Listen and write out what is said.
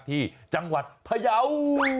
ที่จังหวัดพยาว